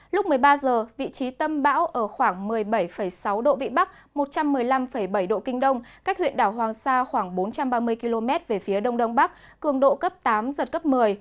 lúc một mươi ba h vị trí tâm bão ở khoảng một mươi bảy sáu độ vị bắc một trăm một mươi năm bảy độ kinh đông cách huyện đảo hoàng sa khoảng bốn trăm ba mươi km về phía đông đông bắc cường độ cấp tám giật cấp một mươi